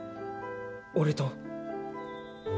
俺と。